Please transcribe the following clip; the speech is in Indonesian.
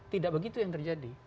tidak begitu yang terjadi